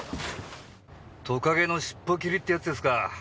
トカゲの尻尾切りって奴ですか。